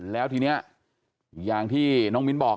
แล้วทีนี้อย่างที่น้องมิ้นบอก